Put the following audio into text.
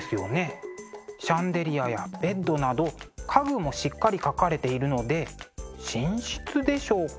シャンデリアやベッドなど家具もしっかり描かれているので寝室でしょうか。